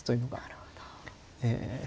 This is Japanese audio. なるほど。